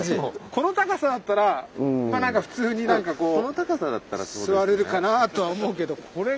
この高さだったらまあ普通に何かこう座れるかなとは思うけどこれが。